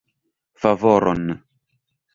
Favoron!